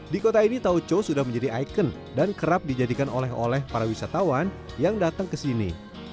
di kota ini tauco sudah menjadi ikon dan kerap dijadikan oleh oleh para wisatawan yang datang ke sini